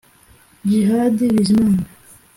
Djihad Bizimana